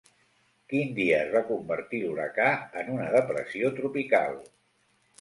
Quin dia es va convertir l'huracà en una depressió tropical?